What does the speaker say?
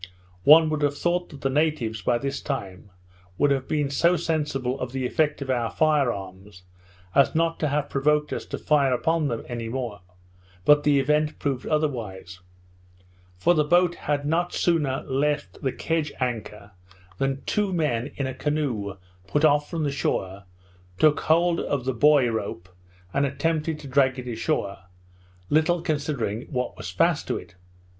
One would have thought that the natives, by this time, would have been so sensible of the effect of our fire arms, as not to have provoked us to fire upon them any more, but the event proved otherwise; for the boat had no sooner left the kedge anchor, than two men in a canoe put off from the shore, took hold of the buoy rope, and attempted to drag it ashore, little considering what was fast to it.